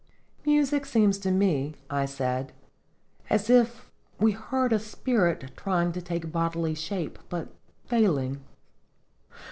" Music seems to me," I said, "as if we heard a spirit trying to take bodily shape, but failing."